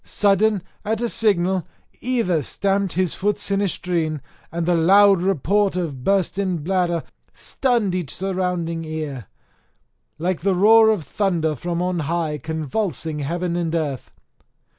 Sudden at a signal either stamped his foot sinistrine, and the loud report of bursten bladder stunned each ear surrounding, like the roar of thunder from on high convulsing heaven and earth.